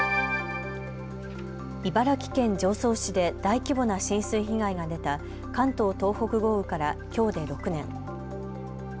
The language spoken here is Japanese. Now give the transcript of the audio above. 茨城県常総市で大規模な浸水被害が出た関東・東北豪雨からきょうで６年。